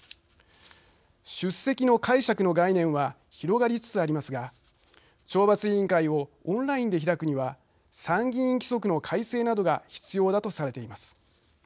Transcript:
出席の解釈の概念は広がりつつありますが懲罰委員会をオンラインで開くには参議院規則の改正などが必要だとされています。